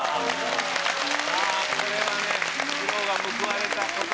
これはね苦労が報われたこと。